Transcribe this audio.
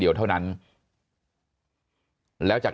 มีความรู้สึกว่า